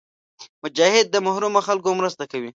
مجاهد د محرومو خلکو مرسته کوي.